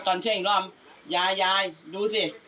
ตอนเที่ยงอีกรอบยายดูสิ